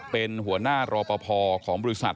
เป็นหัวหน้ารอปภของบริษัท